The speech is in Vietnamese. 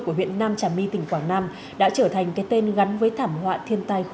của huyện nam trà my tỉnh quảng nam đã trở thành cái tên gắn với thảm họa thiên tai